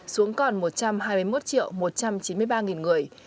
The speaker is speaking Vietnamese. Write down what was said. xuống còn một trăm hai mươi một một trăm chín mươi ba người